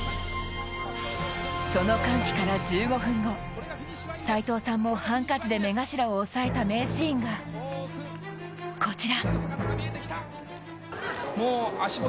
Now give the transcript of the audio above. その歓喜から１５分後、斎藤さんもハンカチで目頭を押さえた名シーンがこちら。